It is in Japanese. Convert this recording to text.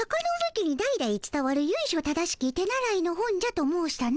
家に代々つたわるゆいしょ正しき手習いの本じゃと申したの。